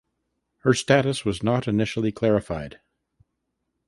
Her status was not initially clarified.